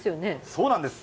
そうなんです。